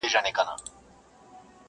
په تور لحد کي به نارې کړم!!